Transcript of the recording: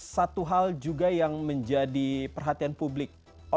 satu hal juga yang menjadi perhatian publik